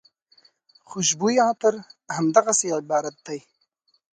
خوشبویه عطر همدغسې عبارت دی.